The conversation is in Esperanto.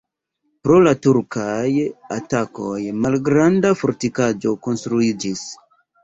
Pro la turkaj atakoj malgranda fortikaĵo konstruiĝis.